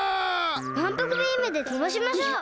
まんぷくビームでとばしましょう。